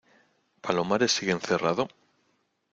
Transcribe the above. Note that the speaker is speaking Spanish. ¿ palomares sigue encerrado?